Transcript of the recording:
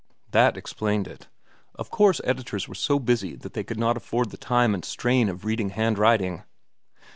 That explained it. Of course editors were so busy that they could not afford the time and strain of reading handwriting.